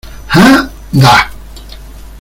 ja? da.